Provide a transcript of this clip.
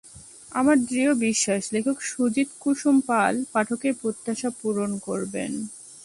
আমার দৃঢ় বিশ্বাস লেখক সুজিত কুসুম পাল পাঠকের প্রত্যাশা পূরণ করবেন।